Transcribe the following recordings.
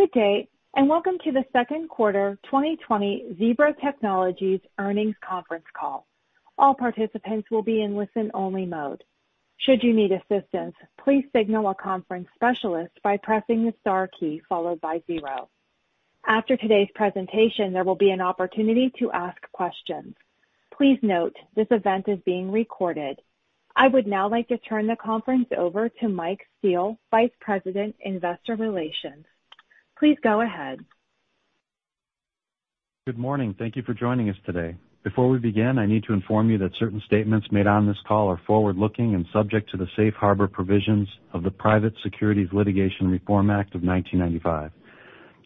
Good day, and welcome to the second quarter 2020 Zebra Technologies earnings conference call. All participants will be in listen only mode. Should you need assistance, please signal a conference specialist by pressing the star key followed by zero. After today's presentation, there will be an opportunity to ask questions. Please note, this event is being recorded. I would now like to turn the conference over to Mike Steele, vice president, investor relations. Please go ahead. Good morning. Thank you for joining us today. Before we begin, I need to inform you that certain statements made on this call are forward-looking and subject to the safe harbor provisions of the Private Securities Litigation Reform Act of 1995.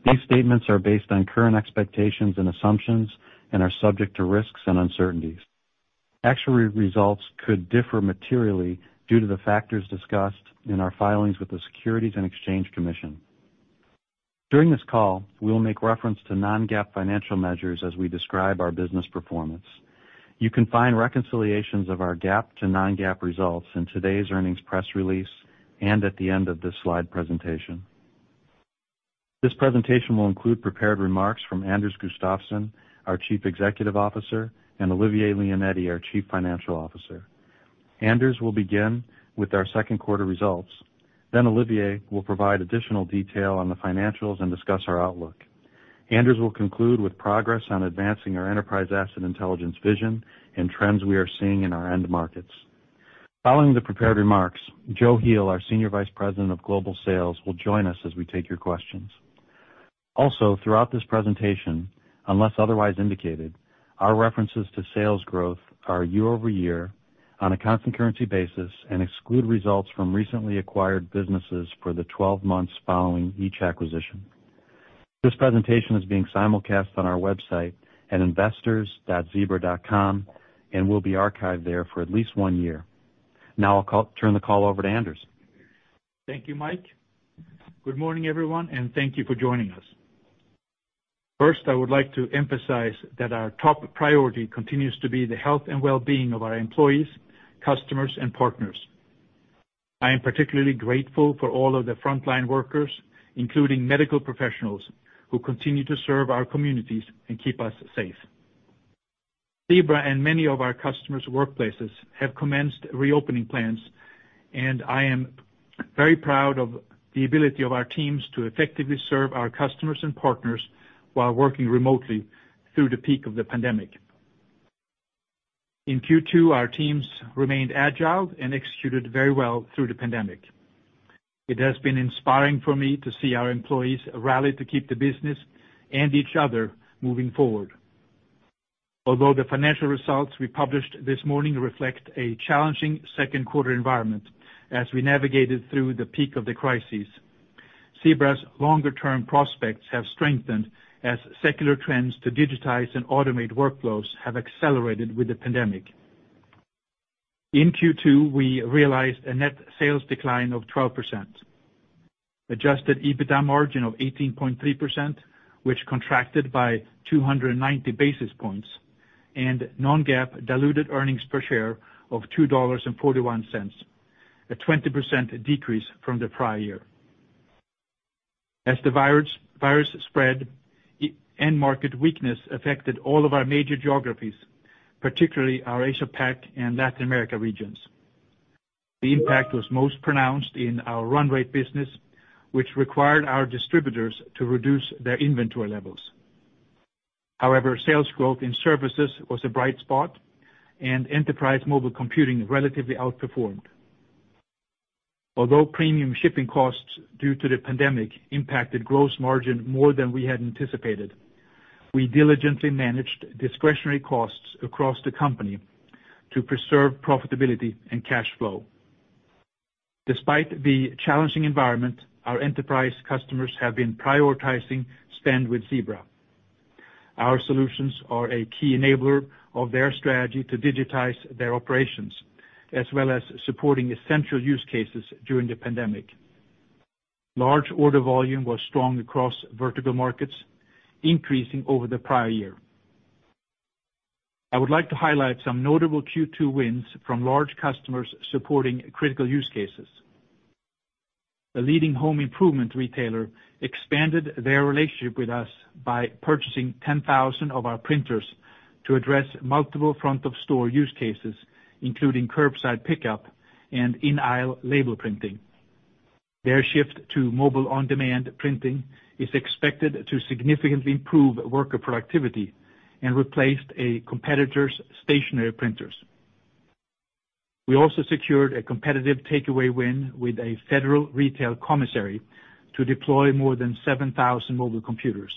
These statements are based on current expectations and assumptions and are subject to risks and uncertainties. Actual results could differ materially due to the factors discussed in our filings with the Securities and Exchange Commission. During this call, we will make reference to non-GAAP financial measures as we describe our business performance. You can find reconciliations of our GAAP to non-GAAP results in today's earnings press release and at the end of this slide presentation. This presentation will include prepared remarks from Anders Gustafsson, our Chief Executive Officer, and Olivier Leonetti, our Chief Financial Officer. Anders will begin with our second quarter results, then Olivier will provide additional detail on the financials and discuss our outlook. Anders will conclude with progress on advancing our enterprise asset intelligence vision and trends we are seeing in our end markets. Following the prepared remarks, Joe Heel, our Senior Vice President of Global Sales, will join us as we take your questions. Also, throughout this presentation, unless otherwise indicated, our references to sales growth are year-over-year on a constant currency basis and exclude results from recently acquired businesses for the 12 months following each acquisition. This presentation is being simulcast on our website at investors.zebra.com and will be archived there for at least one year. Now I'll turn the call over to Anders. Thank you, Mike. Good morning, everyone, and thank you for joining us. First, I would like to emphasize that our top priority continues to be the health and well-being of our employees, customers, and partners. I am particularly grateful for all of the frontline workers, including medical professionals, who continue to serve our communities and keep us safe. Zebra and many of our customers' workplaces have commenced reopening plans, and I am very proud of the ability of our teams to effectively serve our customers and partners while working remotely through the peak of the pandemic. In Q2, our teams remained agile and executed very well through the pandemic. It has been inspiring for me to see our employees rally to keep the business and each other moving forward. Although the financial results we published this morning reflect a challenging second quarter environment as we navigated through the peak of the crisis, Zebra's longer term prospects have strengthened as secular trends to digitize and automate workflows have accelerated with the pandemic. In Q2, we realized a net sales decline of 12%, Adjusted EBITDA margin of 18.3%, which contracted by 290 basis points, and non-GAAP diluted earnings per share of $2.41, a 20% decrease from the prior year. As the virus spread, end market weakness affected all of our major geographies, particularly our Asia Pac and Latin America regions. The impact was most pronounced in our run-rate business, which required our distributors to reduce their inventory levels. However, sales growth in services was a bright spot, and enterprise mobile computing relatively outperformed. Although premium shipping costs due to the pandemic impacted gross margin more than we had anticipated, we diligently managed discretionary costs across the company to preserve profitability and cash flow. Despite the challenging environment, our enterprise customers have been prioritizing spend with Zebra. Our solutions are a key enabler of their strategy to digitize their operations, as well as supporting essential use cases during the pandemic. Large order volume was strong across vertical markets, increasing over the prior year. I would like to highlight some notable Q2 wins from large customers supporting critical use cases. A leading home improvement retailer expanded their relationship with us by purchasing 10,000 of our printers to address multiple front of store use cases, including curbside pickup and in aisle label printing. Their shift to mobile on-demand printing is expected to significantly improve worker productivity and replaced a competitor's stationary printers. We also secured a competitive takeaway win with a federal retail commissary to deploy more than 7,000 mobile computers.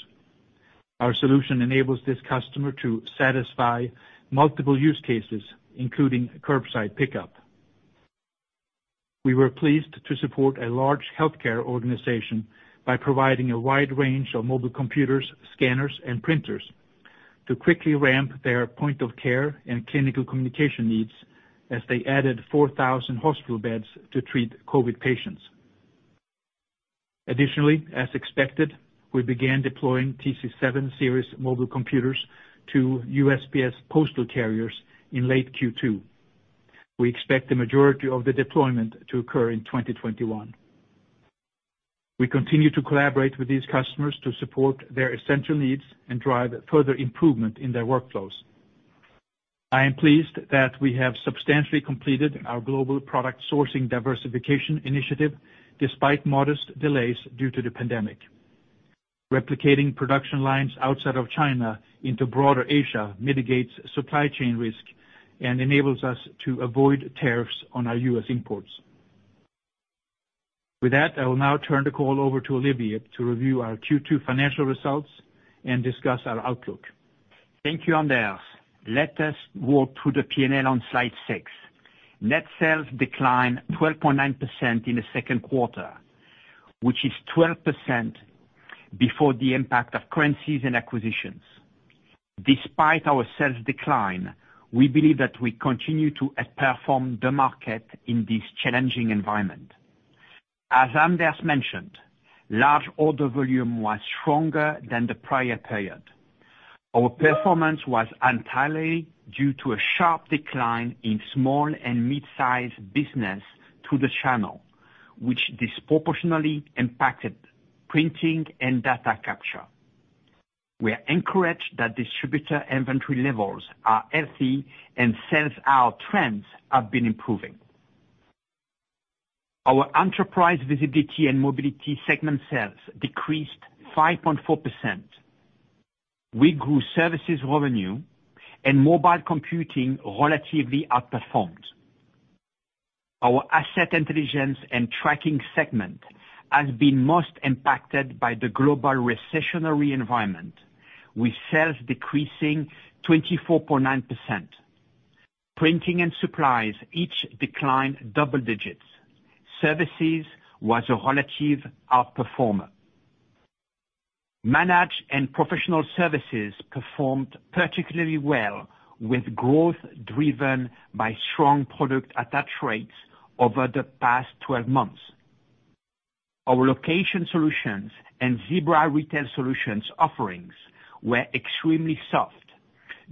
Our solution enables this customer to satisfy multiple use cases, including curbside pickup. We were pleased to support a large healthcare organization by providing a wide range of mobile computers, scanners, and printers to quickly ramp their point of care and clinical communication needs as they added 4,000 hospital beds to treat COVID patients. As expected, we began deploying TC7 Series mobile computers to USPS postal carriers in late Q2. We expect the majority of the deployment to occur in 2021. We continue to collaborate with these customers to support their essential needs and drive further improvement in their workflows. I am pleased that we have substantially completed our global product sourcing diversification initiative, despite modest delays due to the pandemic. Replicating production lines outside of China into broader Asia mitigates supply chain risk and enables us to avoid tariffs on our US imports. With that, I will now turn the call over to Olivier to review our Q2 financial results and discuss our outlook. Thank you, Anders. Let us walk through the P&L on slide six. Net sales declined 12.9% in the second quarter, which is 12% before the impact of currencies and acquisitions. Despite our sales decline, we believe that we continue to outperform the market in this challenging environment. As Anders mentioned, large order volume was stronger than the prior period. Our performance was entirely due to a sharp decline in small and mid-size business through the channel, which disproportionately impacted printing and data capture. We are encouraged that distributor inventory levels are healthy and sales trends have been improving. Our enterprise visibility and mobility segment sales decreased 5.4%. We grew services revenue, and mobile computing relatively outperformed. Our asset intelligence and tracking segment has been most impacted by the global recessionary environment, with sales decreasing 24.9%. Printing and supplies each declined double digits. Services was a relative outperformer. Managed and professional services performed particularly well, with growth driven by strong product attach rates over the past 12 months. Our location solutions and Zebra retail solutions offerings were extremely soft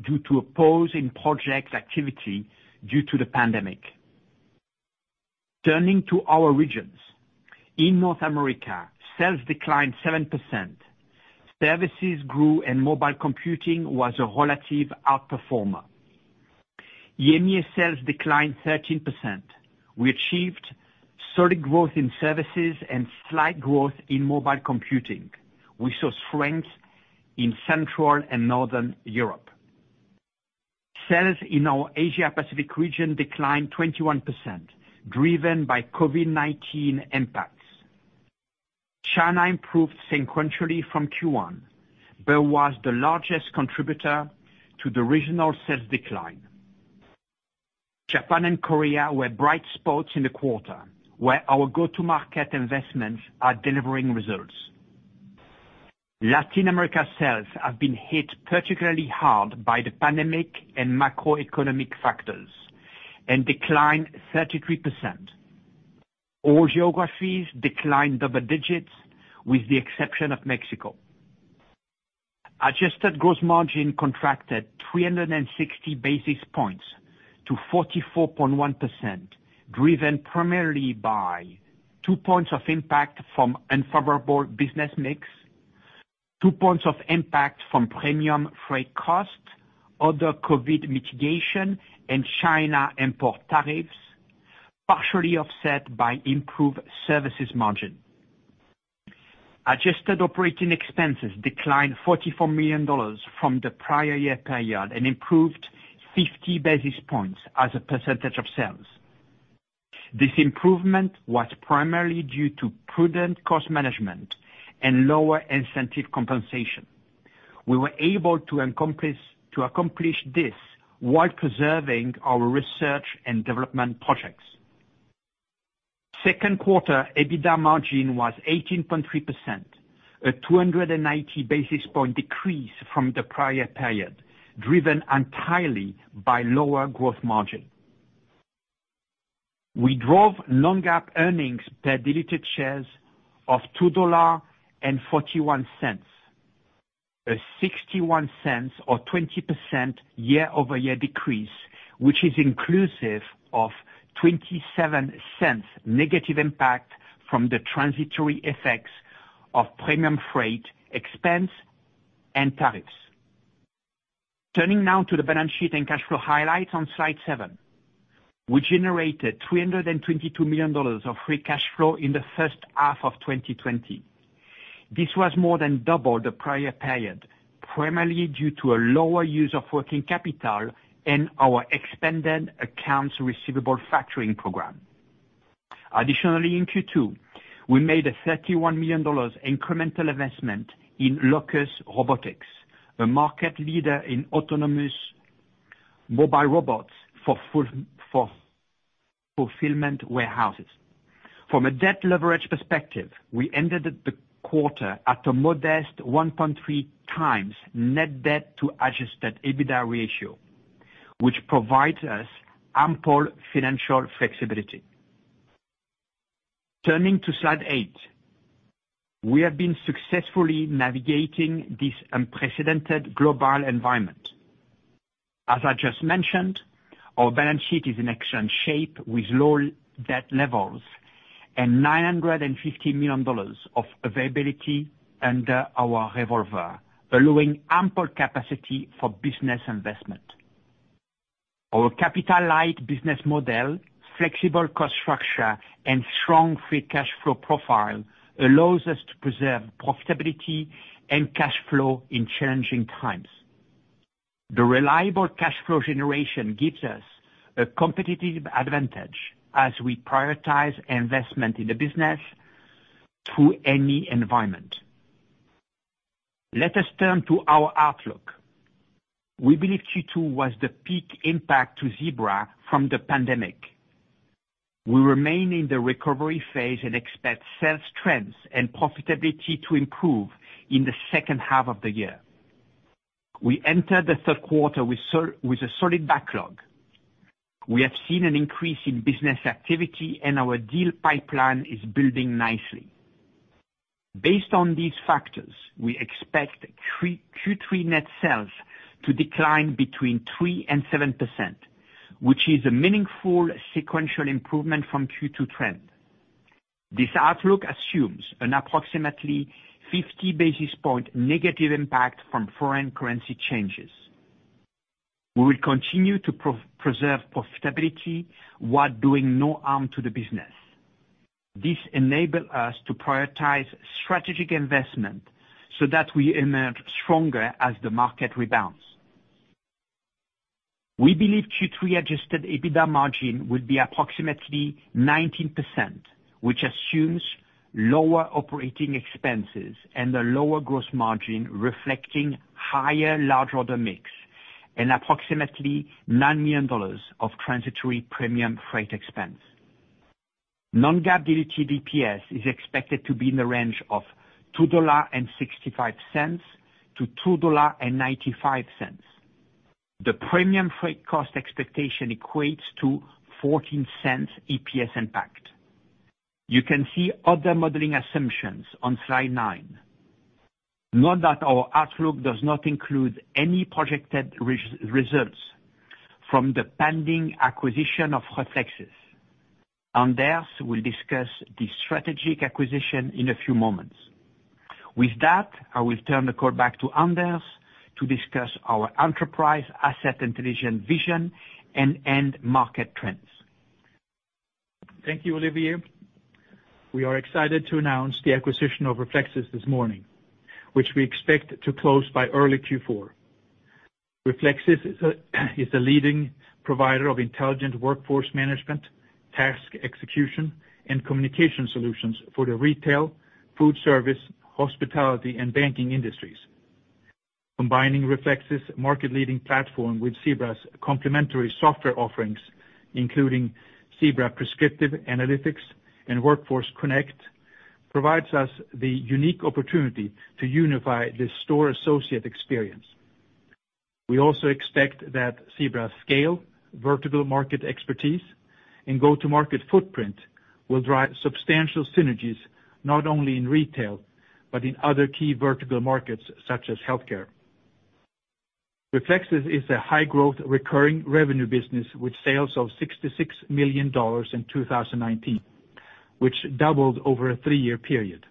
due to a pause in project activity due to the pandemic. Turning to our regions. In North America, sales declined 7%. Services grew, and mobile computing was a relative outperformer. EMEA sales declined 13%. We achieved solid growth in services and slight growth in mobile computing. We saw strength in Central and Northern Europe. Sales in our Asia Pacific region declined 21%, driven by COVID-19 impacts. China improved sequentially from Q1 but was the largest contributor to the regional sales decline. Japan and Korea were bright spots in the quarter, where our go-to market investments are delivering results. Latin America sales have been hit particularly hard by the pandemic and macroeconomic factors, and declined 33%. All geographies declined double digits, with the exception of Mexico. Adjusted gross margin contracted 360 basis points to 44.1%, driven primarily by two points of impact from unfavorable business mix, two points of impact from premium freight cost, other COVID-19 mitigation, and China import tariffs, partially offset by improved services margin. Adjusted operating expenses declined $44 million from the prior year period and improved 50 basis points as a percentage of sales. This improvement was primarily due to prudent cost management and lower incentive compensation. We were able to accomplish this while preserving our research and development projects. Second quarter EBITDA margin was 18.3%, a 290 basis point decrease from the prior period, driven entirely by lower gross margin. We drove non-GAAP earnings per diluted shares of $2.41, a $0.61 or 20% year-over-year decrease, which is inclusive of $0.27 negative impact from the transitory effects of premium freight expense and tariffs. Turning now to the balance sheet and cash flow highlights on slide seven. We generated $322 million of free cash flow in the first half of 2020. This was more than double the prior period, primarily due to a lower use of working capital and our expanded accounts receivable factoring program. Additionally, in Q2, we made a $31 million incremental investment in Locus Robotics, a market leader in autonomous mobile robots for fulfillment warehouses. From a debt leverage perspective, we ended the quarter at a modest 1.3x net debt to Adjusted EBITDA ratio, which provides us ample financial flexibility. Turning to slide eight, we have been successfully navigating this unprecedented global environment. As I just mentioned, our balance sheet is in excellent shape, with low debt levels and $950 million of availability under our revolver, allowing ample capacity for business investment. Our capital light business model, flexible cost structure, and strong free cash flow profile allows us to preserve profitability and cash flow in challenging times. The reliable cash flow generation gives us a competitive advantage as we prioritize investment in the business through any environment. Let us turn to our outlook. We believe Q2 was the peak impact to Zebra from the pandemic. We remain in the recovery phase and expect sales trends and profitability to improve in the second half of the year. We enter the third quarter with a solid backlog. We have seen an increase in business activity, and our deal pipeline is building nicely. Based on these factors, we expect Q3 net sales to decline between 3% and 7%, which is a meaningful sequential improvement from Q2 trend. This outlook assumes an approximately 50 basis point negative impact from foreign currency changes. We will continue to preserve profitability while doing no harm to the business. This enable us to prioritize strategic investment so that we emerge stronger as the market rebounds. We believe Q3 Adjusted EBITDA margin will be approximately 19%, which assumes lower OPEX and a lower gross margin, reflecting higher large order mix and approximately $9 million of transitory premium freight expense. Non-GAAP diluted EPS is expected to be in the range of $2.65-$2.95. The premium freight cost expectation equates to $0.14 EPS impact. You can see other modeling assumptions on slide nine. Note that our outlook does not include any projected results from the pending acquisition of Reflexis. Anders will discuss the strategic acquisition in a few moments. With that, I will turn the call back to Anders to discuss our enterprise asset intelligence vision and end market trends. Thank you, Olivier. We are excited to announce the acquisition of Reflexis this morning, which we expect to close by early Q4. Reflexis is a leading provider of intelligent workforce management, task execution, and communication solutions for the retail, food service, hospitality, and banking industries. Combining Reflexis' market-leading platform with Zebra's complementary software offerings, including Zebra Prescriptive Analytics and Workforce Connect, provides us the unique opportunity to unify the store associate experience. We also expect that Zebra's scale, vertical market expertise, and go-to-market footprint will drive substantial synergies not only in retail, but in other key vertical markets such as healthcare. Reflexis is a high growth recurring revenue business with sales of $66 million in 2019, which doubled over a three-year period,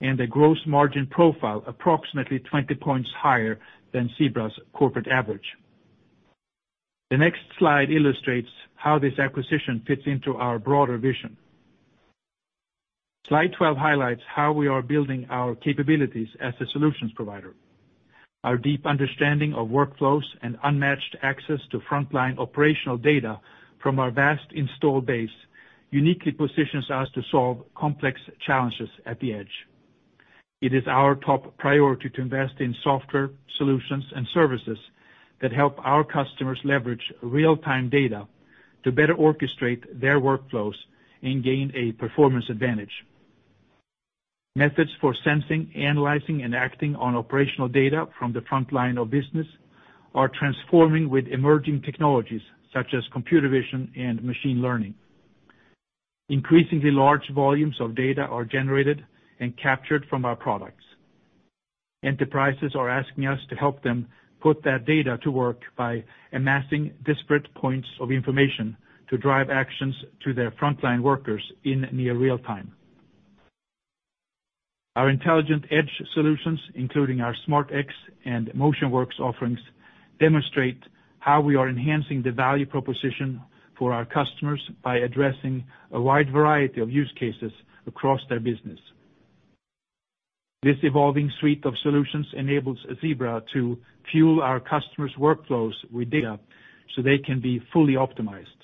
and a gross margin profile approximately 20 points higher than Zebra's corporate average. The next slide illustrates how this acquisition fits into our broader vision. Slide 12 highlights how we are building our capabilities as a solutions provider. Our deep understanding of workflows and unmatched access to frontline operational data from our vast installed base uniquely positions us to solve complex challenges at the edge. It is our top priority to invest in software solutions and services that help our customers leverage real-time data to better orchestrate their workflows and gain a performance advantage. Methods for sensing, analyzing, and acting on operational data from the front line of business are transforming with emerging technologies such as computer vision and machine learning. Increasingly large volumes of data are generated and captured from our products. Enterprises are asking us to help them put that data to work by amassing disparate points of information to drive actions to their frontline workers in near real time. Our intelligent edge solutions, including our SmartSight and MotionWorks offerings, demonstrate how we are enhancing the value proposition for our customers by addressing a wide variety of use cases across their business. This evolving suite of solutions enables Zebra to fuel our customers' workflows with data so they can be fully optimized.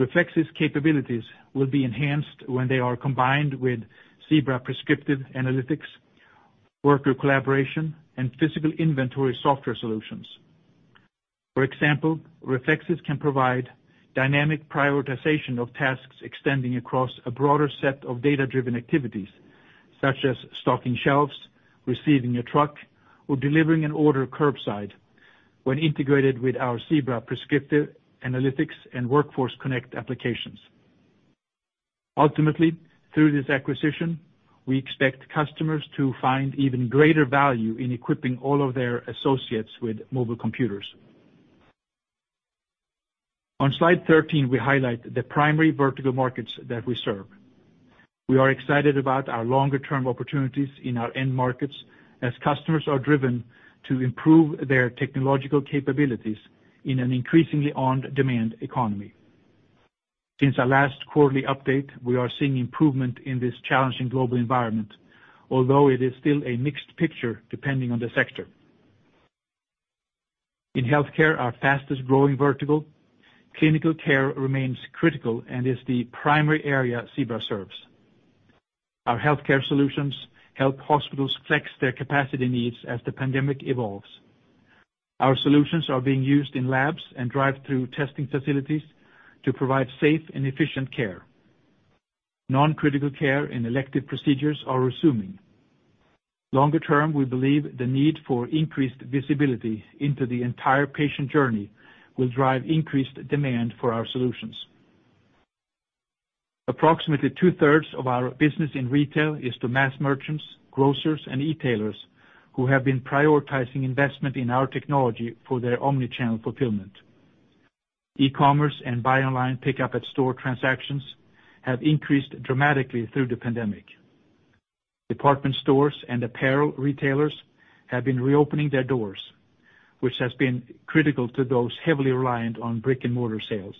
Reflexis capabilities will be enhanced when they are combined with Zebra Prescriptive Analytics, worker collaboration, and physical inventory software solutions. For example, Reflexis can provide dynamic prioritization of tasks extending across a broader set of data-driven activities, such as stocking shelves, receiving a truck, or delivering an order curbside. When integrated with our Zebra Prescriptive Analytics and Workforce Connect applications. Ultimately, through this acquisition, we expect customers to find even greater value in equipping all of their associates with mobile computers. On slide 13, we highlight the primary vertical markets that we serve. We are excited about our longer-term opportunities in our end markets as customers are driven to improve their technological capabilities in an increasingly on-demand economy. Since our last quarterly update, we are seeing improvement in this challenging global environment, although it is still a mixed picture depending on the sector. In healthcare, our fastest-growing vertical, clinical care remains critical and is the primary area Zebra serves. Our healthcare solutions help hospitals flex their capacity needs as the pandemic evolves. Our solutions are being used in labs and drive-through testing facilities to provide safe and efficient care. Non-critical care and elective procedures are resuming. Longer term, we believe the need for increased visibility into the entire patient journey will drive increased demand for our solutions. Approximately two-thirds of our business in retail is to mass merchants, grocers, and e-tailers, who have been prioritizing investment in our technology for their omni-channel fulfillment. E-commerce and buy online pickup at store transactions have increased dramatically through the pandemic. Department stores and apparel retailers have been reopening their doors, which has been critical to those heavily reliant on brick and mortar sales.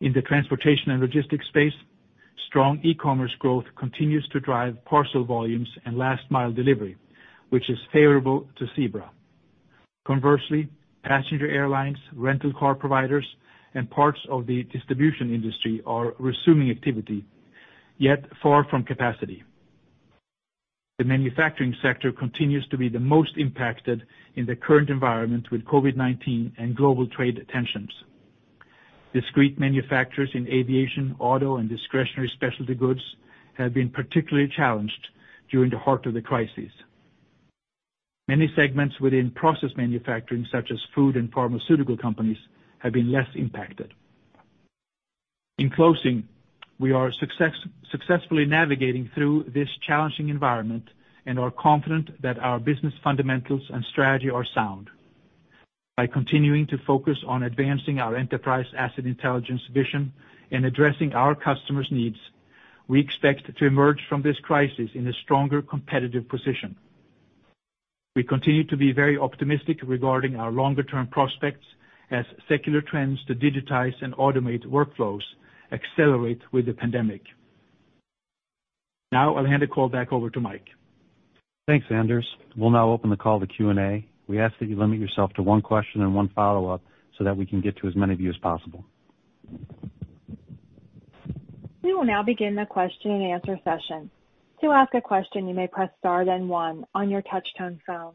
In the transportation and logistics space, strong e-commerce growth continues to drive parcel volumes and last-mile delivery, which is favorable to Zebra. Conversely, passenger airlines, rental car providers, and parts of the distribution industry are resuming activity, yet far from capacity. The manufacturing sector continues to be the most impacted in the current environment with COVID-19 and global trade tensions. Discrete manufacturers in aviation, auto, and discretionary specialty goods have been particularly challenged during the heart of the crisis. Many segments within process manufacturing, such as food and pharmaceutical companies, have been less impacted. In closing, we are successfully navigating through this challenging environment and are confident that our business fundamentals and strategy are sound. By continuing to focus on advancing our enterprise asset intelligence vision and addressing our customers' needs, we expect to emerge from this crisis in a stronger competitive position. We continue to be very optimistic regarding our longer-term prospects as secular trends to digitize and automate workflows accelerate with the pandemic. I'll hand the call back over to Mike. Thanks, Anders. We'll now open the call to Q&A. We ask that you limit yourself to one question and one follow-up so that we can get to as many of you as possible. We will now begin the question-and-answer session. To ask a question, you may press star then one on your touch-tone phone.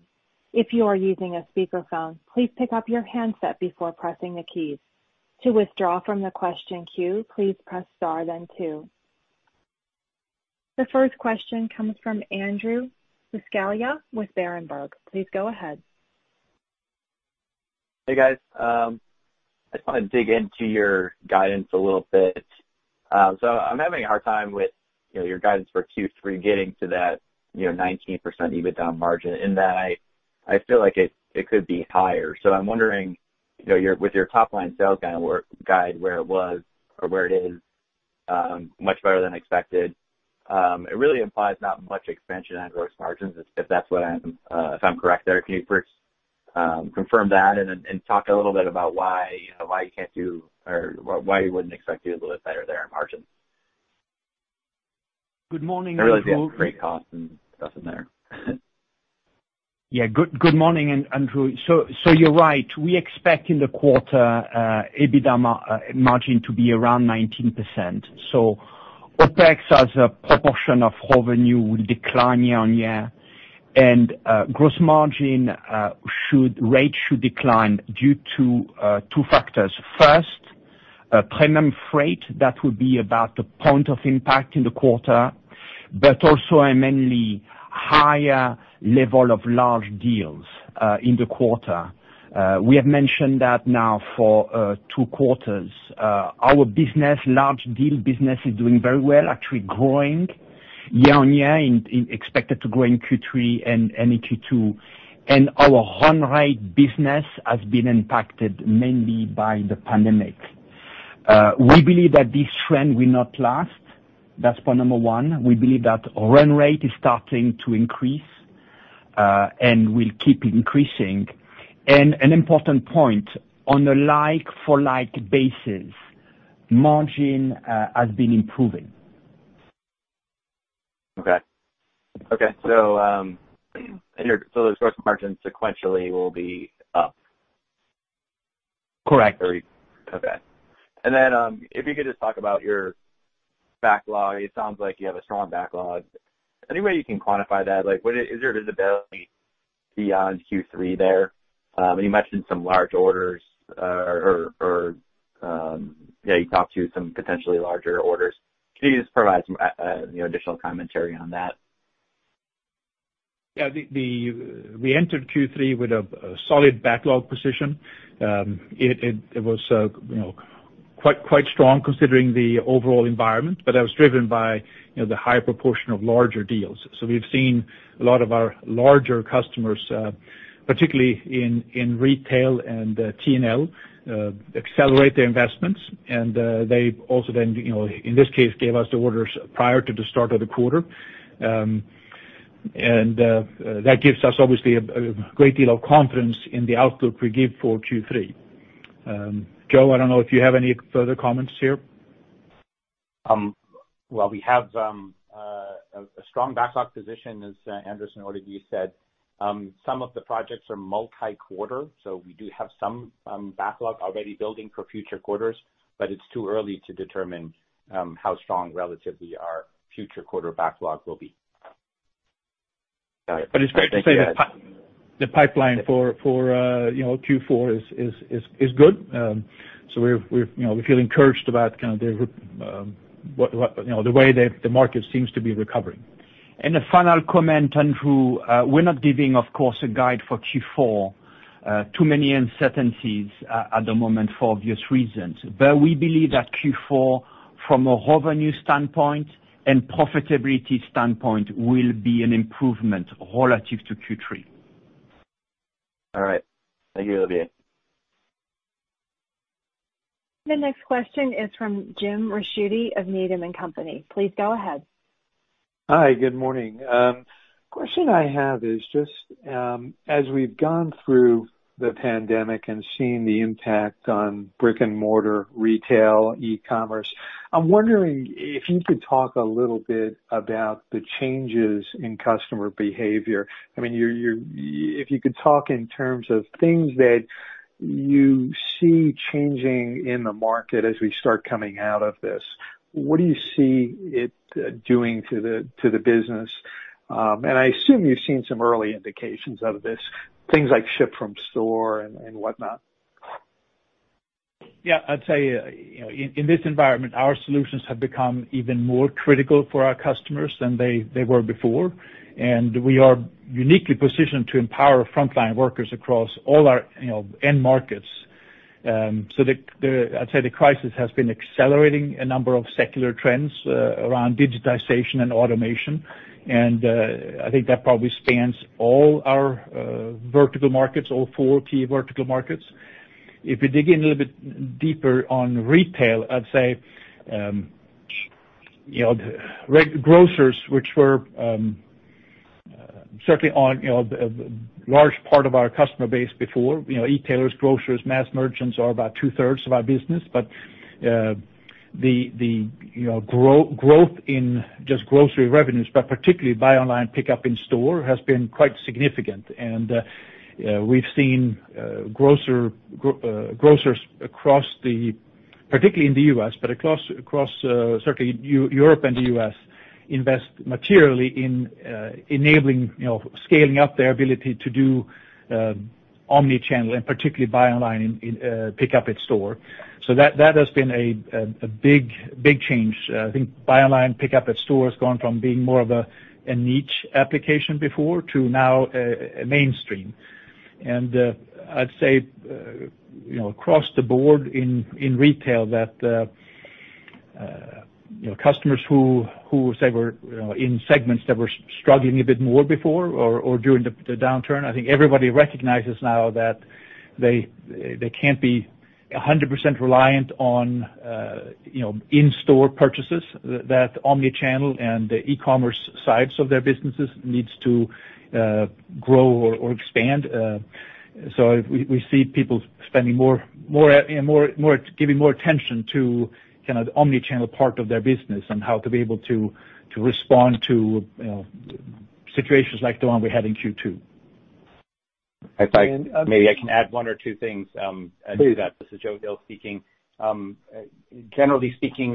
If you are using a speakerphone, please pick up your handset before pressing the keys. To withdraw from the question queue, please press star then two. The first question comes from Andrew Buscaglia with Berenberg. Please go ahead. Hey, guys. I just want to dig into your guidance a little bit. I'm having a hard time with your guidance for Q3 getting to that 19% EBITDA margin in that I feel like it could be higher. I'm wondering, with your top-line sales kind of guide where it was or where it is, much better than expected, it really implies not much expansion on gross margins if I'm correct there. Can you first confirm that and talk a little bit about why you wouldn't expect to do a little bit better there on margins? Good morning, Andrew. I realize you have freight costs and stuff in there. Good morning, Andrew. You're right. We expect in the quarter EBITDA margin to be around 19%. OPEX, as a proportion of revenue, will decline year-on-year. Gross margin rate should decline due to two factors. First, premium freight, that will be about a point of impact in the quarter, but also a mainly higher level of large deals in the quarter. We have mentioned that now for two quarters. Our large deal business is doing very well, actually growing year-on-year, and expected to grow in Q3 and in Q2. Our run-rate business has been impacted mainly by the pandemic. We believe that this trend will not last. That's point number one. We believe that run-rate is starting to increase, and will keep increasing. An important point, on a like-for-like basis, margin has been improving. Okay. Those gross margins sequentially will be up? Correct. Okay. If you could just talk about your backlog. It sounds like you have a strong backlog. Any way you can quantify that? Is there visibility beyond Q3 there? You mentioned some large orders, or you talked to some potentially larger orders. Can you just provide some additional commentary on that? Yeah. We entered Q3 with a solid backlog position. It was quite strong considering the overall environment, but that was driven by the high proportion of larger deals. We've seen a lot of our larger customers, particularly in retail and T&L, accelerate their investments. They also then, in this case, gave us the orders prior to the start of the quarter. That gives us, obviously, a great deal of confidence in the outlook we give for Q3. Joe, I don't know if you have any further comments here. Well, we have a strong backlog position, as Anders, Olivier Leonetti said. Some of the projects are multi-quarter, so we do have some backlog already building for future quarters, but it's too early to determine how strong, relatively, our future quarter backlog will be. Got it. Thank you guys. It's great to say that the pipeline for Q4 is good. We feel encouraged about kind of the way the market seems to be recovering. A final comment, Andrew. We're not giving, of course, a guide for Q4. Too many uncertainties at the moment for obvious reasons. We believe that Q4, from a revenue standpoint and profitability standpoint, will be an improvement relative to Q3. All right. Thank you, Olivier. The next question is from Jim Ricchiuti of Needham & Company. Please go ahead. Hi, good morning. Question I have is just, as we've gone through the pandemic and seen the impact on brick and mortar retail, e-commerce, I'm wondering if you could talk a little bit about the changes in customer behavior. If you could talk in terms of things that you see changing in the market as we start coming out of this, what do you see it doing to the business? I assume you've seen some early indications of this, things like ship from store and whatnot. Yeah. I'd say, in this environment, our solutions have become even more critical for our customers than they were before. We are uniquely positioned to empower frontline workers across all our end markets. I'd say the crisis has been accelerating a number of secular trends around digitization and automation, and I think that probably spans all our vertical markets, all four key vertical markets. If we dig in a little bit deeper on retail, I'd say grocers, which were certainly a large part of our customer base before, e-tailers, grocers, mass merchants are about two-thirds of our business. The growth in just grocery revenues, but particularly buy online, pickup in store, has been quite significant. We've seen grocers, particularly in the U.S., but across certainly Europe and the U.S., invest materially in enabling scaling up their ability to do omni-channel and particularly buy online and pickup at store. That has been a big change. I think buy online, pickup at store has gone from being more of a niche application before to now mainstream. I'd say, across the board in retail, that customers who say were in segments that were struggling a bit more before or during the downturn, I think everybody recognizes now that they can't be 100% reliant on in-store purchases, that omni-channel and the e-commerce sides of their businesses needs to grow or expand. We see people giving more attention to the omni-channel part of their business and how to be able to respond to situations like the one we had in Q2. Maybe I can add one or two things to that. Please. This is Joe Heel speaking. Generally speaking,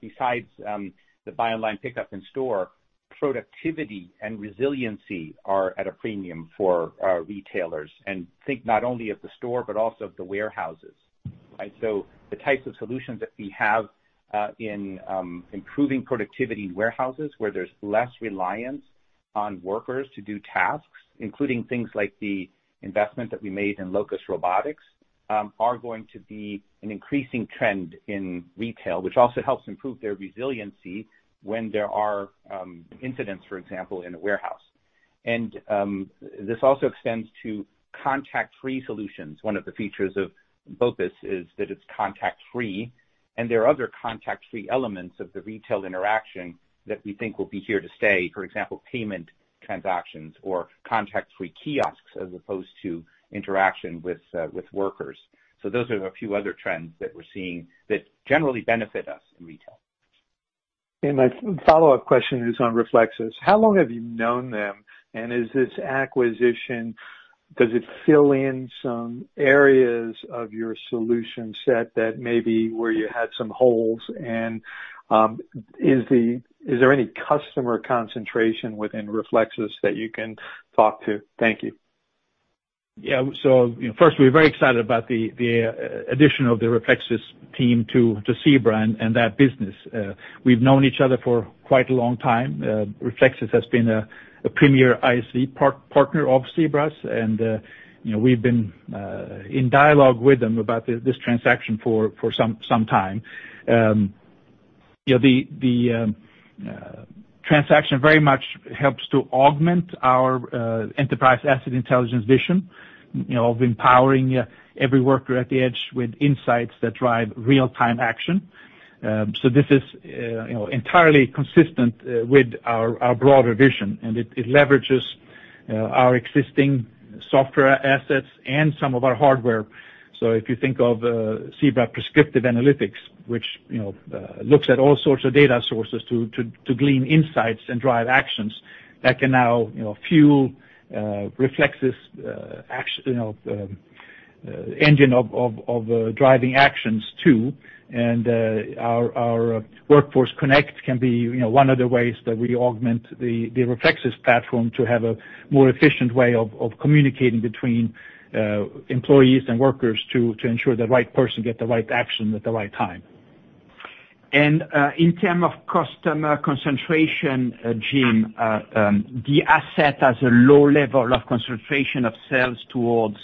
besides the buy online, pickup in store, productivity and resiliency are at a premium for retailers. Think not only of the store, but also of the warehouses, right? The types of solutions that we have in improving productivity in warehouses where there's less reliance on workers to do tasks, including things like the investment that we made in Locus Robotics, are going to be an increasing trend in retail, which also helps improve their resiliency when there are incidents, for example, in a warehouse. This also extends to contact-free solutions. One of the features of Locus is that it's contact-free, and there are other contact-free elements of the retail interaction that we think will be here to stay. For example, payment transactions or contact-free kiosks as opposed to interaction with workers. Those are a few other trends that we're seeing that generally benefit us in retail. My follow-up question is on Reflexis. How long have you known them, and is this acquisition, does it fill in some areas of your solution set that maybe where you had some holes? Is there any customer concentration within Reflexis that you can talk to? Thank you. Yeah. First, we're very excited about the addition of the Reflexis team to Zebra and that business. We've known each other for quite a long time. Reflexis has been a premier ISV partner of Zebra's, and we've been in dialogue with them about this transaction for some time. The transaction very much helps to augment our enterprise asset intelligence vision of empowering every worker at the edge with insights that drive real-time action. This is entirely consistent with our broader vision, and it leverages our existing software assets and some of our hardware. If you think of Zebra Prescriptive Analytics, which looks at all sorts of data sources to glean insights and drive actions, that can now fuel Reflexis's engine of driving actions, too. Our Workforce Connect can be one of the ways that we augment the Reflexis platform to have a more efficient way of communicating between employees and workers to ensure the right person get the right action at the right time. In terms of customer concentration, Jim, the asset has a low level of concentration of sales towards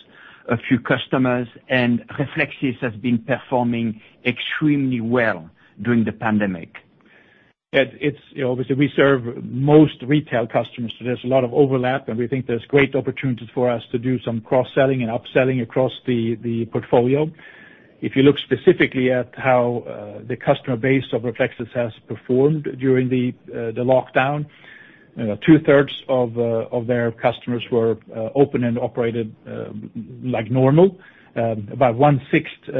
a few customers, and Reflexis has been performing extremely well during the pandemic. Obviously, we serve most retail customers, so there's a lot of overlap, and we think there's great opportunities for us to do some cross-selling and upselling across the portfolio. If you look specifically at how the customer base of Reflexis has performed during the lockdown, two-thirds of their customers were open and operated like normal. About one-sixth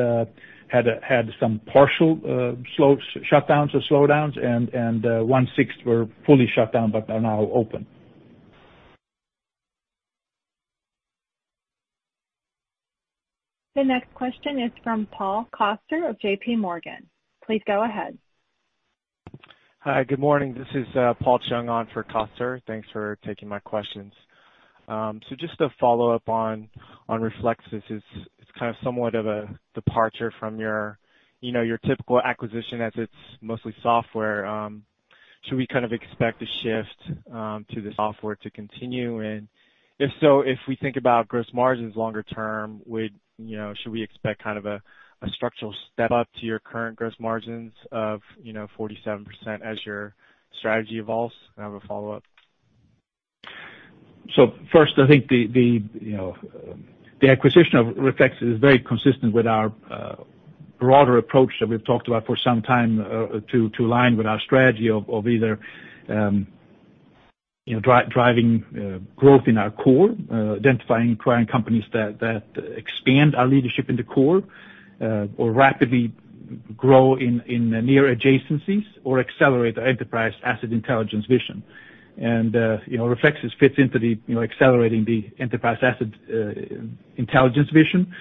had some partial shutdowns or slowdowns, and one-sixth were fully shut down but are now open. The next question is from Paul Coster of JPMorgan. Please go ahead. Hi. Good morning. This is Paul Chung on for Coster. Thanks for taking my questions. Just a follow-up on Reflexis. It's kind of somewhat of a departure from your typical acquisition as it's mostly software. Should we kind of expect the shift to the software to continue? If so, if we think about gross margins longer term, should we expect kind of a structural step-up to your current gross margins of 47% as your strategy evolves? I have a follow-up. First, I think the acquisition of Reflexis is very consistent with our broader approach that we've talked about for some time to align with our strategy of either driving growth in our core, identifying acquiring companies that expand our leadership in the core, or rapidly grow in near adjacencies or accelerate our enterprise asset intelligence vision. Reflexis fits into the accelerating the enterprise asset intelligence vision.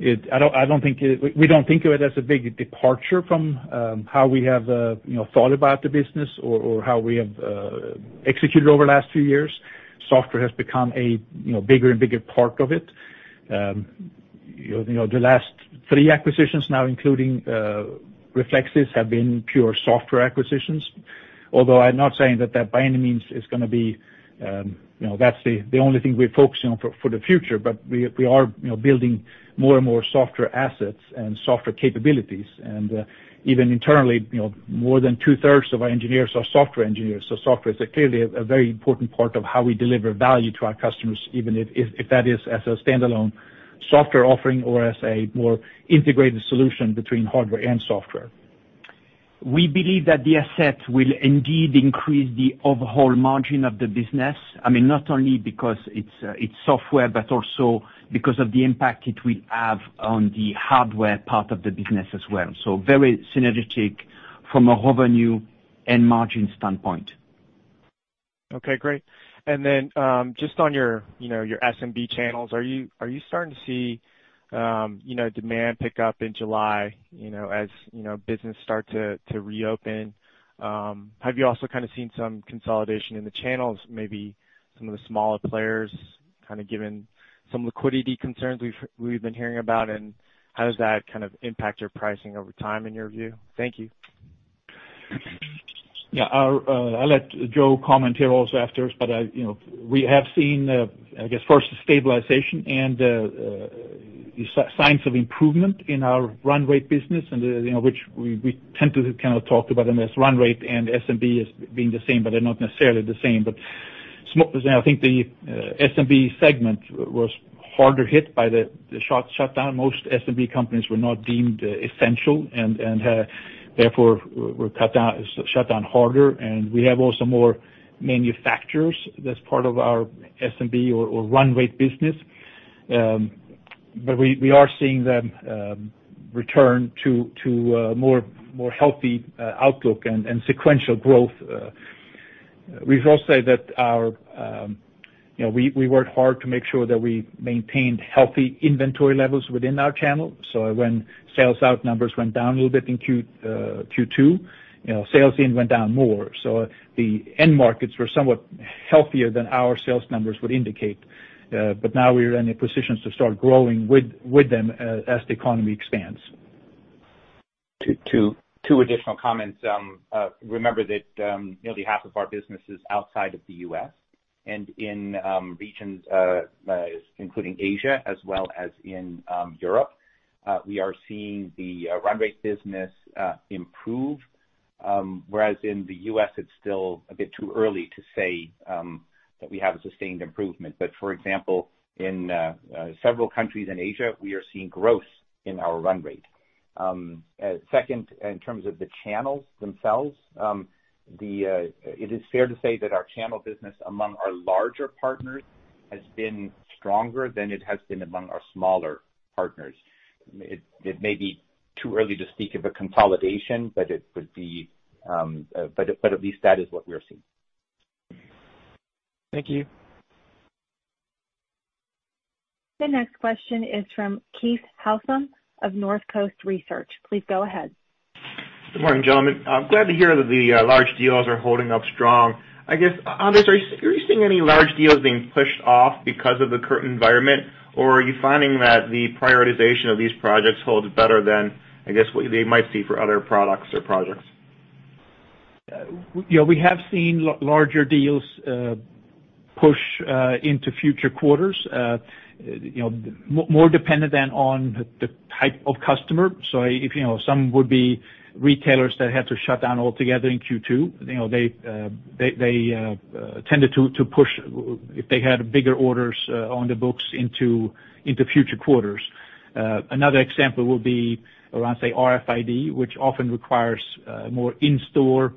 We don't think of it as a big departure from how we have thought about the business or how we have executed over the last few years. Software has become a bigger and bigger part of it. The last three acquisitions, now including Reflexis, have been pure software acquisitions, although I'm not saying that by any means that's the only thing we're focusing on for the future. We are building more and more software assets and software capabilities. Even internally, more than two-thirds of our engineers are software engineers. Software is clearly a very important part of how we deliver value to our customers, even if that is as a standalone software offering or as a more integrated solution between hardware and software. We believe that the asset will indeed increase the overall margin of the business. I mean, not only because it's software, but also because of the impact it will have on the hardware part of the business as well. Very synergetic from a revenue and margin standpoint. Okay, great. Then just on your SMB channels, are you starting to see demand pick up in July as businesses start to reopen? Have you also kind of seen some consolidation in the channels, maybe some of the smaller players, kind of given some liquidity concerns we've been hearing about, and how does that kind of impact your pricing over time in your view? Thank you. Yeah. I'll let Joe comment here also after, but we have seen, I guess, first the stabilization and signs of improvement in our run-rate business, and which we tend to kind of talk about them as run-rate and SMB as being the same, but they're not necessarily the same. I think the SMB segment was harder hit by the shutdown. Most SMB companies were not deemed essential and therefore were shut down harder. We have also more manufacturers that's part of our SMB or run-rate business. We are seeing them return to a more healthy outlook and sequential growth. We've also said that we worked hard to make sure that we maintained healthy inventory levels within our channel. When sales out numbers went down a little bit in Q2, sales in went down more. The end markets were somewhat healthier than our sales numbers would indicate. Now we're in a position to start growing with them as the economy expands. Two additional comments. Remember that nearly half of our business is outside of the U.S., and in regions including Asia as well as in Europe, we are seeing the run-rate business improve. Whereas in the U.S., it's still a bit too early to say that we have a sustained improvement. For example, in several countries in Asia, we are seeing growth in our run-rate. Second, in terms of the channels themselves, it is fair to say that our channel business among our larger partners has been stronger than it has been among our smaller partners. It may be too early to speak of a consolidation, but at least that is what we are seeing. Thank you. The next question is from Keith Housum of Northcoast Research. Please go ahead. Good morning, gentlemen. I'm glad to hear that the large deals are holding up strong. I guess, Anders, are you seeing any large deals being pushed off because of the current environment, or are you finding that the prioritization of these projects holds better than, I guess, what they might see for other products or projects? Yeah, we have seen larger deals push into future quarters, more dependent than on the type of customer. If some would be retailers that had to shut down altogether in Q2, they tended to push if they had bigger orders on the books into future quarters. Another example would be around, say, RFID, which often requires more in-store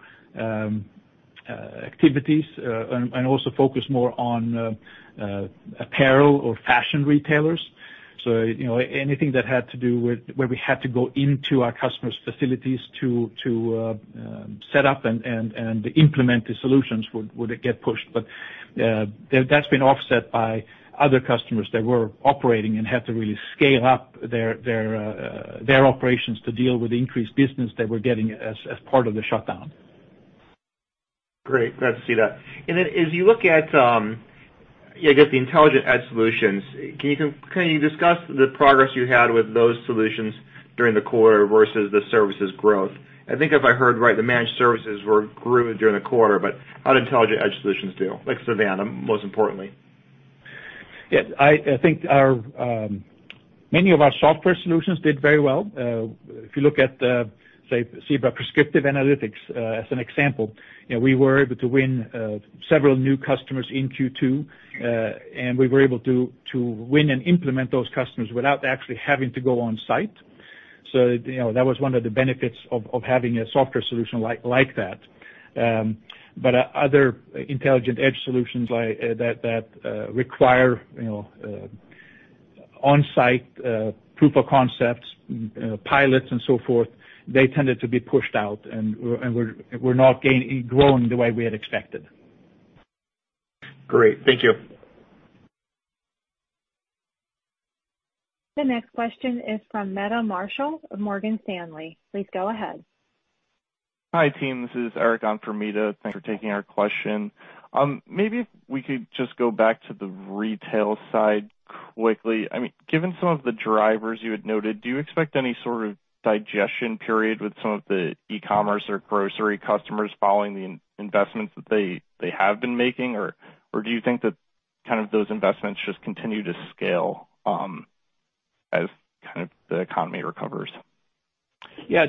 activities, and also focus more on apparel or fashion retailers. Anything that had to do with where we had to go into our customers' facilities to set up and implement the solutions would get pushed. That's been offset by other customers that were operating and had to really scale up their operations to deal with the increased business they were getting as part of the shutdown. Great. Glad to see that. Then, as you look at, I guess, the intelligent edge solutions, can you discuss the progress you had with those solutions during the quarter versus the services growth? I think if I heard right, the managed services grew during the quarter, but how did intelligent edge solutions do, like Savanna, most importantly? I think many of our software solutions did very well. If you look at Zebra Prescriptive Analytics as an example, we were able to win several new customers in Q2, and we were able to win and implement those customers without actually having to go on site. That was one of the benefits of having a software solution like that. Other intelligent edge solutions that require on-site proof of concepts, pilots, and so forth, they tended to be pushed out, and were not growing the way we had expected. Great. Thank you. The next question is from Meta Marshall of Morgan Stanley. Please go ahead. Hi, team. This is Eric on for Meta. Thanks for taking our question. If we could just go back to the retail side quickly. Given some of the drivers you had noted, do you expect any sort of digestion period with some of the e-commerce or grocery customers following the investments that they have been making, or do you think that those investments just continue to scale as the economy recovers? Yeah.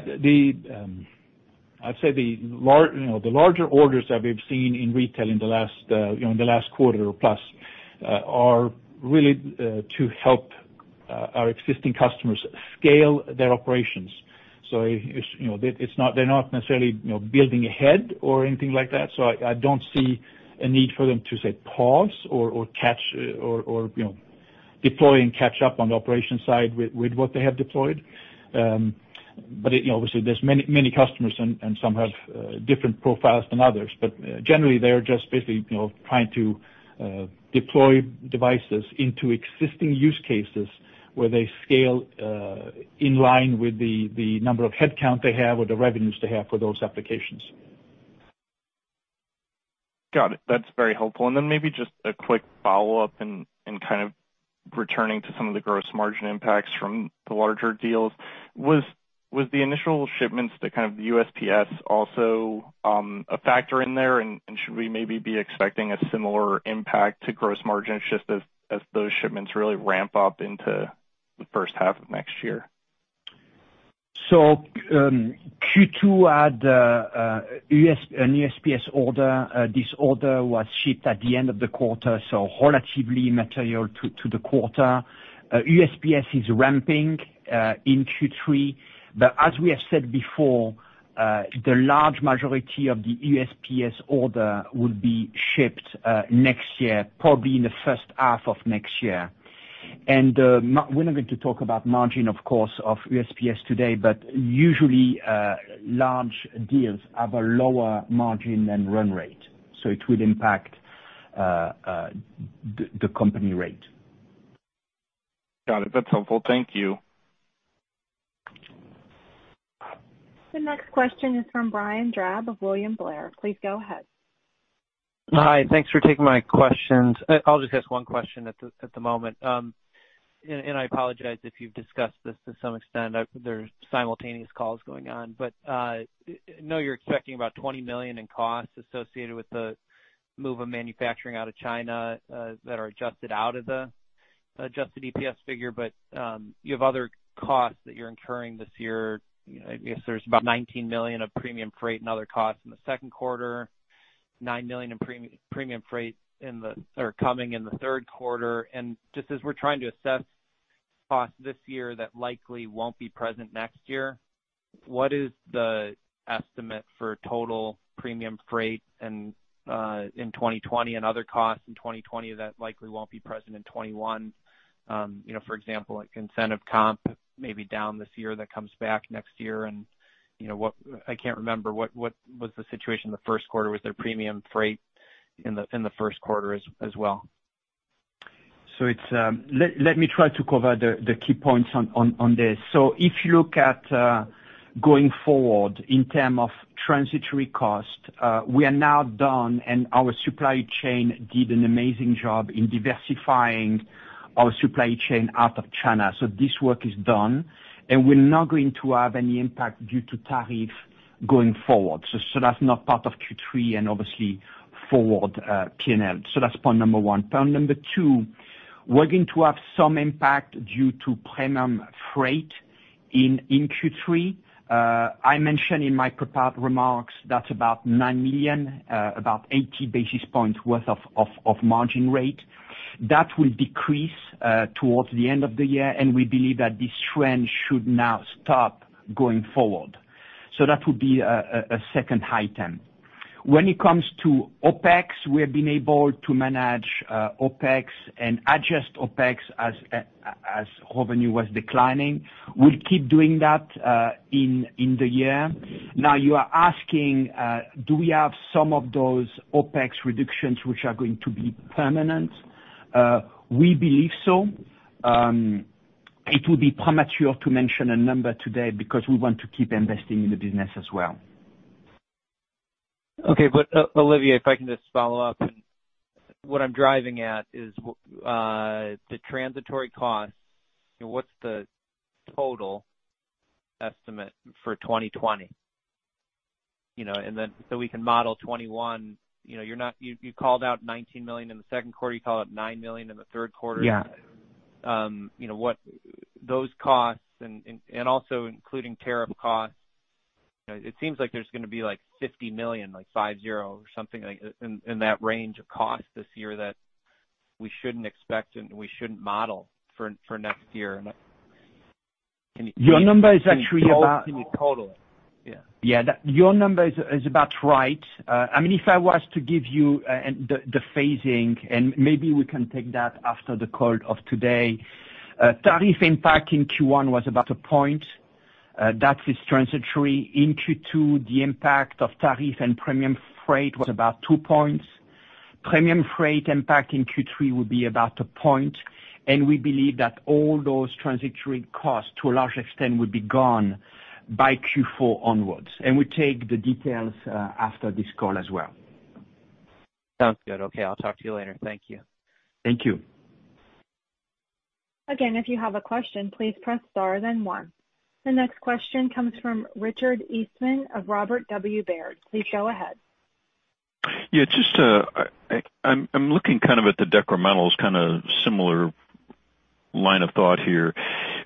I'd say the larger orders that we've seen in retail in the last quarter plus are really to help our existing customers scale their operations. They're not necessarily building ahead or anything like that. I don't see a need for them to, say, pause or deploy and catch up on the operations side with what they have deployed. Obviously, there's many customers, and some have different profiles than others. Generally, they're just basically trying to deploy devices into existing use cases where they scale in line with the number of headcount they have or the revenues they have for those applications. Got it. That's very helpful. Maybe just a quick follow-up, and kind of returning to some of the gross margin impacts from the larger deals. Was the initial shipments to kind of USPS also a factor in there, and should we maybe be expecting a similar impact to gross margins just as those shipments really ramp up into the first half of next year? Q2 had an USPS order. This order was shipped at the end of the quarter, so relatively material to the quarter. USPS is ramping in Q3. As we have said before, the large majority of the USPS order will be shipped next year, probably in the first half of next year. We're not going to talk about margin, of course, of USPS today, but usually, large deals have a lower margin than run-rate, so it will impact the company rate. Got it. That's helpful. Thank you. The next question is from Brian Drab of William Blair. Please go ahead. Hi. Thanks for taking my questions. I'll just ask one question at the moment. I apologize if you've discussed this to some extent. There's simultaneous calls going on. I know you're expecting about $20 million in costs associated with the move of manufacturing out of China, that are adjusted out of the Adjusted EPS figure. You have other costs that you're incurring this year. I guess there's about $19 million of premium freight and other costs in the second quarter, $9 million in premium freight coming in the third quarter. Just as we're trying to assess costs this year that likely won't be present next year, what is the estimate for total premium freight in 2020 and other costs in 2020 that likely won't be present in 2021? For example, incentive comp may be down this year, that comes back next year. I can't remember, what was the situation the first quarter? Was there premium freight in the first quarter as well? Let me try to cover the key points on this. If you look at going forward in term of transitory cost, we are now done, and our supply chain did an amazing job in diversifying our supply chain out of China. This work is done, and we're not going to have any impact due to tariff going forward. That's not part of Q3, and obviously forward P&L. That's point number one. Point number two, we're going to have some impact due to premium freight in Q3. I mentioned in my prepared remarks, that's about $9 million, about 80 basis points worth of margin rate. That will decrease towards the end of the year, and we believe that this trend should now stop going forward. That would be a second high item. When it comes to OPEX, we have been able to manage OPEX and adjust OPEX as revenue was declining. We'll keep doing that in the year. You are asking, do we have some of those OPEX reductions which are going to be permanent? We believe so. It would be premature to mention a number today because we want to keep investing in the business as well. Okay. Olivier, if I can just follow up. What I'm driving at is the transitory cost. What's the total estimate for 2020? We can model 2021. You called out $19 million in the second quarter, you called out 9 million in the third quarter. Yeah. Those costs and also including tariff costs, it seems like there's going to be $50 million, like five zero or something like in that range of cost this year that we shouldn't expect and we shouldn't model for next year. Your number is actually about- Can you total it? Yeah. Yeah. Your number is about right. If I was to give you the phasing, maybe we can take that after the call of today. Tariff impact in Q1 was about one point. That is transitory. In Q2, the impact of tariff and premium freight was about two points. Premium freight impact in Q3 will be about one point, we believe that all those transitory costs, to a large extent, will be gone by Q4 onwards. We take the details after this call as well. Sounds good. Okay, I'll talk to you later. Thank you. Thank you. Again, if you have a question, please press star, then one. The next question comes from Richard Eastman of Robert W. Baird. Please go ahead. Yeah. I'm looking at the decrementals, similar line of thought here.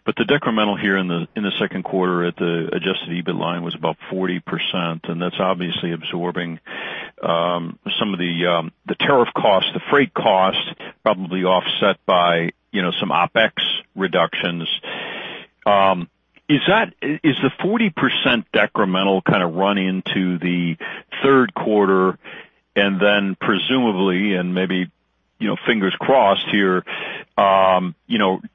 The decremental here in the second quarter at the Adjusted EBIT line was about 40%, and that's obviously absorbing some of the tariff cost, the freight cost probably offset by some OPEX reductions. Is the 40% decremental run into the third quarter and then presumably, and maybe fingers crossed here,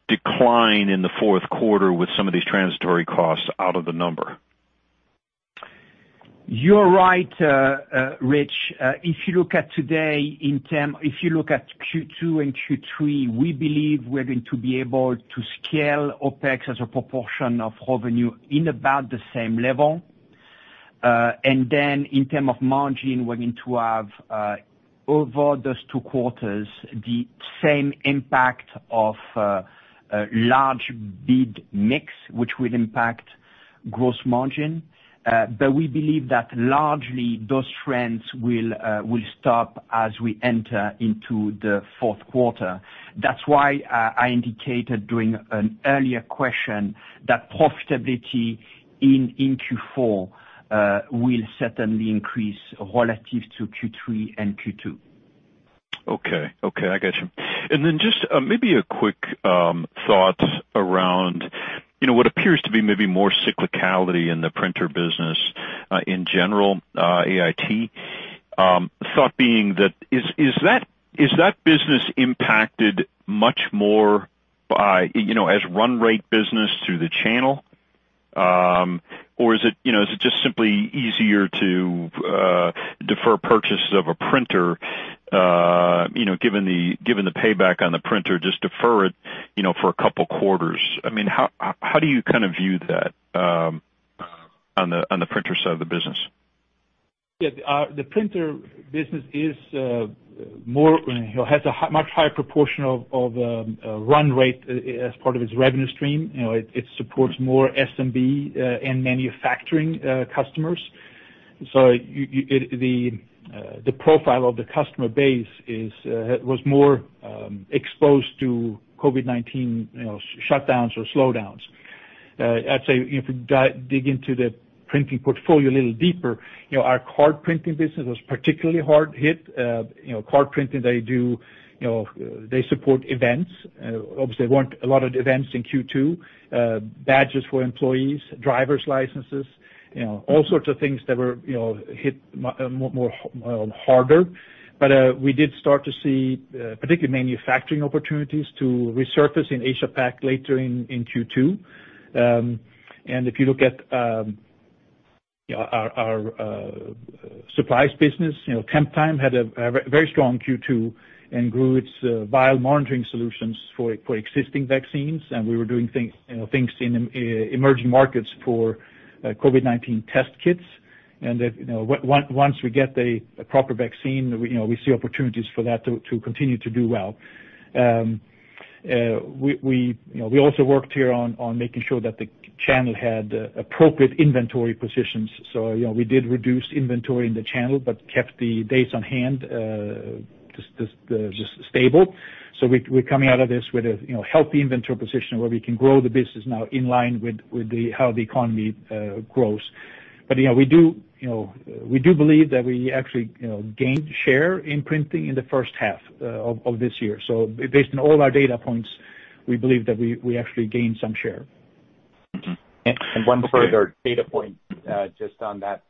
decline in the fourth quarter with some of these transitory costs out of the number? You're right, Rich. If you look at Q2 and Q3, we believe we're going to be able to scale OPEX as a proportion of revenue in about the same level. Then in term of margin, we're going to have, over those two quarters, the same impact of large bid mix, which will impact gross margin. We believe that largely those trends will stop as we enter into the fourth quarter. That's why I indicated during an earlier question that profitability in Q4 will certainly increase relative to Q3 and Q2. Okay. I got you. Then just maybe a quick thought around what appears to be maybe more cyclicality in the printer business, in general, AIT. Thought being that, is that business impacted much more as run-rate business through the channel? Or is it just simply easier to defer purchases of a printer given the payback on the printer, just defer it for a couple quarters? How do you view that? On the printer side of the business. Yeah. The printer business has a much higher proportion of run-rate as part of its revenue stream. It supports more SMB and manufacturing customers. The profile of the customer base was more exposed to COVID-19 shutdowns or slowdowns. I'd say, if we dig into the printing portfolio a little deeper, our card printing business was particularly hard hit. Card printing, they support events. Obviously, there weren't a lot of events in Q2. Badges for employees, driver's licenses, all sorts of things that were hit harder. We did start to see, particularly manufacturing opportunities to resurface in Asia-Pac later in Q2. If you look at our supplies business, Temptime had a very strong Q2 and grew its vial monitoring solutions for existing vaccines. We were doing things in emerging markets for COVID-19 test kits. That once we get the proper vaccine, we see opportunities for that to continue to do well. We also worked here on making sure that the channel had appropriate inventory positions. We did reduce inventory in the channel but kept the days on hand just stable. We are coming out of this with a healthy inventory position where we can grow the business now in line with how the economy grows. We do believe that we actually gained share in printing in the first half of this year. Based on all our data points, we believe that we actually gained some share. One further data point, just on that.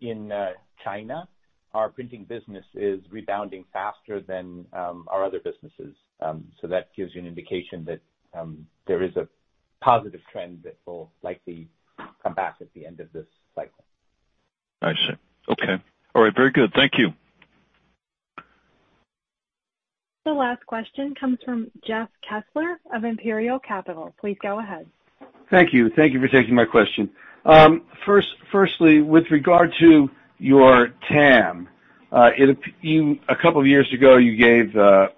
In China, our printing business is rebounding faster than our other businesses. That gives you an indication that there is a positive trend that will likely come back at the end of this cycle. I see. Okay. All right. Very good. Thank you. The last question comes from Jeff Kessler of Imperial Capital. Please go ahead. Thank you. Thank you for taking my question. Firstly, with regard to your TAM, a couple of years ago, you gave a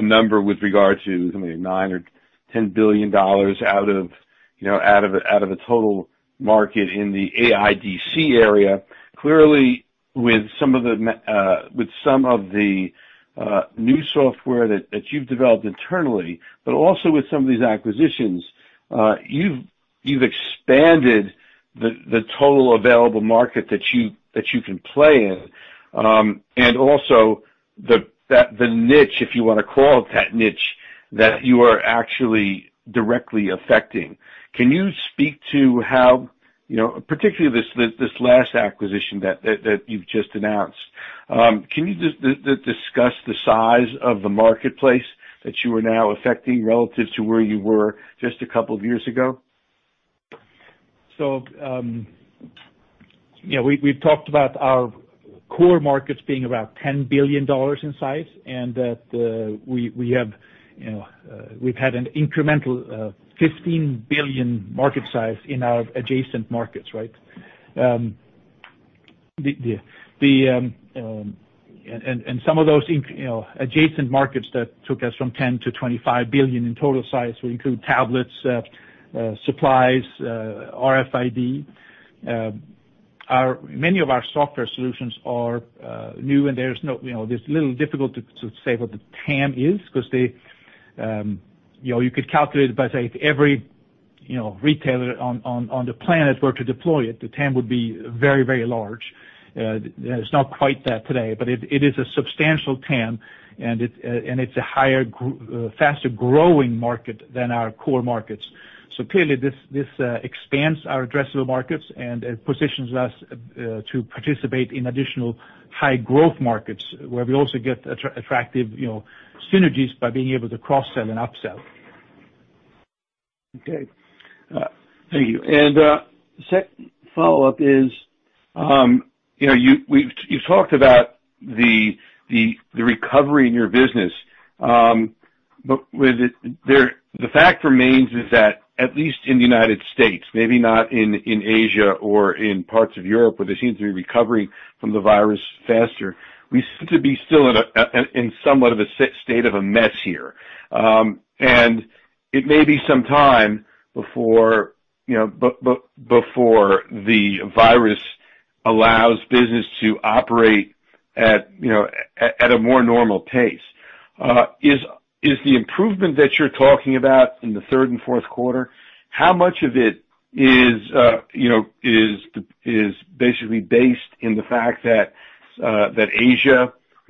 number with regard to $9 billion or $10 billion out of the total market in the AIDC area. Clearly, with some of the new software that you've developed internally, but also with some of these acquisitions, you've expanded the total available market that you can play in. Also the niche, if you want to call it that niche, that you are actually directly affecting. Can you speak to how, particularly this last acquisition that you've just announced, can you discuss the size of the marketplace that you are now affecting relative to where you were just a couple of years ago? We've talked about our core markets being about $10 billion in size, and that we've had an incremental $15 billion market size in our adjacent markets, right? Some of those adjacent markets that took us from $10 to $25 billion in total size will include tablets, supplies, RFID. Many of our software solutions are new, and it's a little difficult to say what the TAM is, because you could calculate it by, say, if every retailer on the planet were to deploy it, the TAM would be very large. It's not quite that today, but it is a substantial TAM, and it's a higher, faster-growing market than our core markets. Clearly, this expands our addressable markets and it positions us to participate in additional high growth markets, where we also get attractive synergies by being able to cross-sell and up-sell. Okay. Thank you. The second follow-up is, you've talked about the recovery in your business. The fact remains is that at least in the U.S., maybe not in Asia or in parts of Europe where they seem to be recovering from the virus faster, we seem to be still in somewhat of a state of a mess here. It may be some time before the virus allows business to operate at a more normal pace. Is the improvement that you're talking about in the third and fourth quarter, how much of it is basically based in the fact that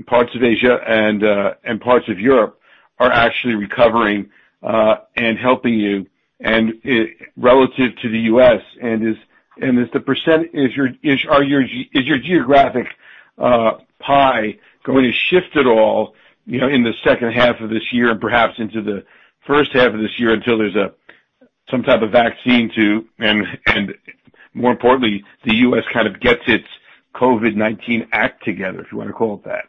parts of Asia and parts of Europe are actually recovering and helping you and relative to the U.S., and is your geographic pie going to shift at all, in the second half of this year and perhaps into the first half of this year until there's some type of vaccine, too, and more importantly, the U.S. kind of gets its COVID-19 act together, if you want to call it that?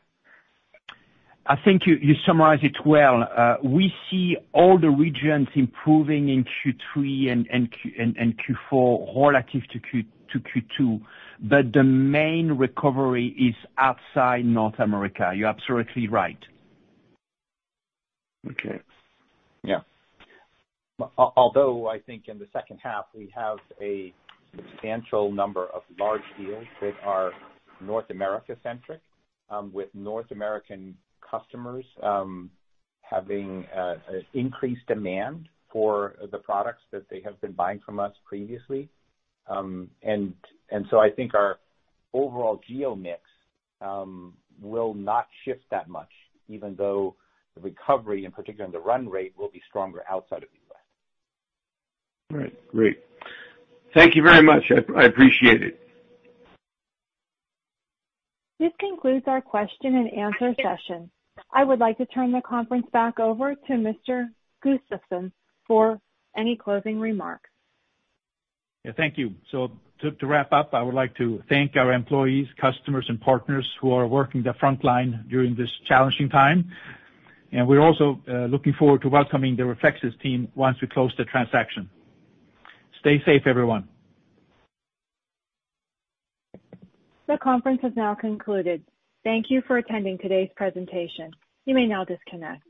I think you summarized it well. We see all the regions improving in Q3 and Q4 relative to Q2. The main recovery is outside North America. You're absolutely right. Okay. Yeah. Although I think in the second half, we have a substantial number of large deals that are North America-centric, with North American customers having increased demand for the products that they have been buying from us previously. I think our overall geo mix will not shift that much, even though the recovery, and particularly on the run-rate, will be stronger outside of the U.S. All right. Great. Thank you very much. I appreciate it. This concludes our question-and-answer session. I would like to turn the conference back over to Mr. Gustafsson for any closing remarks. Thank you. To wrap up, I would like to thank our employees, customers, and partners who are working the front line during this challenging time. We're also looking forward to welcoming the Reflexis team once we close the transaction. Stay safe, everyone. The conference has now concluded. Thank you for attending today's presentation. You may now disconnect.